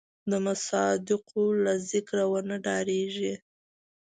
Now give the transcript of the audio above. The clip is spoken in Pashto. د مصادقو له ذکره ونه ډارېږي.